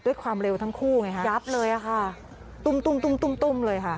ด้วยความเร็วทั้งคู่ไงค่ะยับเลยอะค่ะตุ้มตุ้มตุ้มตุ้มตุ้มเลยค่ะ